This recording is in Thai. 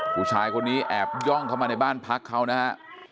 ผู้ชายคนนี้แอบย่องเข้ามาในบ้านพักเขานะฮะ